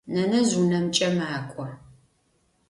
Нэнэжъ унэмкӏэ макӏо.